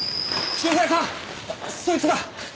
駐在さんそいつだ！